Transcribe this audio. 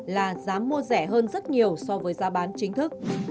là giá mua rẻ hơn rất nhiều so với giá bán chính thức